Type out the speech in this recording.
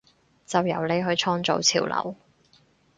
就由你去創造潮流！